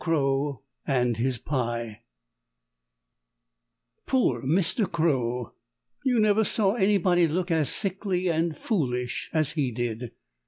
CROW AND HIS PIE Poor Mr. Crow! You never saw anybody look as sickly and foolish as he did.